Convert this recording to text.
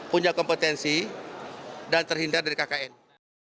punya kompetensi dan terhindar dari kkn